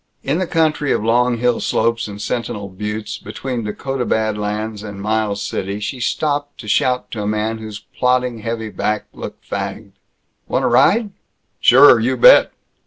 In the country of long hillslopes and sentinel buttes between the Dakota Bad Lands and Miles City she stopped to shout to a man whose plodding heavy back looked fagged, "Want a ride?" "Sure! You bet!"